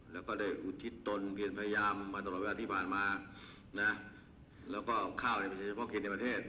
แล้วก็ได้อุทิศตนเรียนพยายามมาตลอดเวลาที่ผ่านมานะแล้วก็ข้าวในประเทศเฉพาะกินในประเทศ